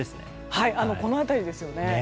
この辺りですね。